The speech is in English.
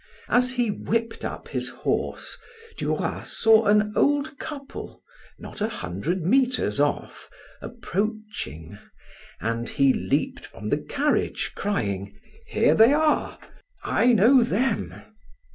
As he whipped up his horse, Duroy saw an old couple not a hundred meters off, approaching, and he leaped from the carriage crying: "Here they are, I know them."